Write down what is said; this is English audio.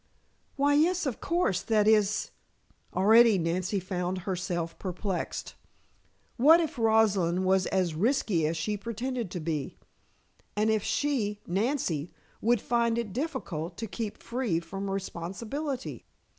"Why, yes, of course. That is " Already Nancy found herself perplexed. What if Rosalind was as risky as she pretended to be; and if she, Nancy, would find it difficult to keep free from responsibility?